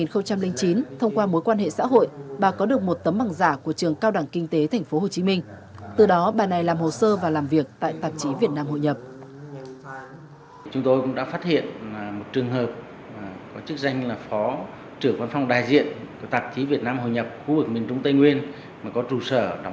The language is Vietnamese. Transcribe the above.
năm hai nghìn chín thông qua mối quan hệ xã hội bà có được một tấm bằng giả của trường cao đẳng kinh tế tp hcm từ đó bà này làm hồ sơ và làm việc tại tạp chí việt nam hội nhập